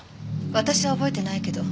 私は覚えてないけど。